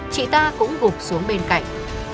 chị ta cũng gục xuống bên cạnh